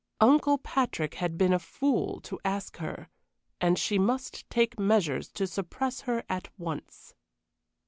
Uncle Patrick had been a fool to ask her, and she must take measures to suppress her at once.